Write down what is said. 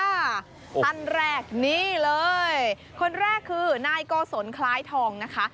อันแรกนี่เลยคนแรกคือนายก้อสนคลายทองนะคะ